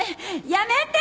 やめて！